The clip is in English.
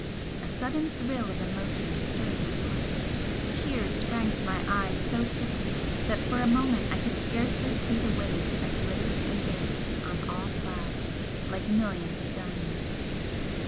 A sudden thrill of emotion stirred my heart tears sprang to my eyes so thickly that for a moment I could scarcely see the waves that glittered and danced on all sides like millions of diamonds.